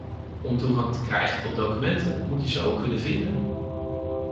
Om toegang te krijgen tot documenten moet je ze ook kunnen vinden.